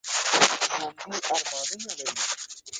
ژوندي ارمانونه لري